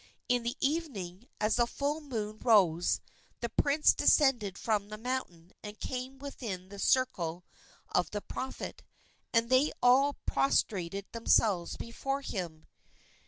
In the evening, as the full moon rose, the prince descended from the mountain and came within the circle of the prophet, and they all prostrated themselves before him.